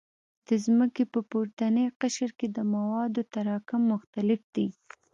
د ځمکې په پورتني قشر کې د موادو تراکم مختلف دی